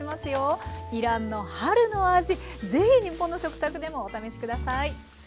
イランの春の味是非日本の食卓でもお試し下さい。